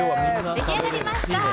出来上がりました。